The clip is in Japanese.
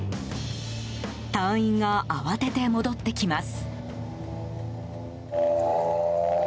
隊員が慌てて戻ってきます。